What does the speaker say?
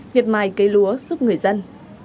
thiệt mài cây lúa giúp người dân